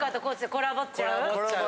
コラボっちゃう。